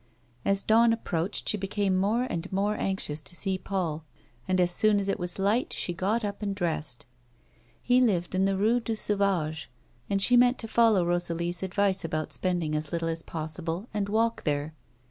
As dawn approached she became more and more anxious to see Paul, and as soon as it was light, she got up and dressed. He lived in the Eue du Sauvage, and she meant to follow Rosalie's advice about spending as little as possible, and walk there.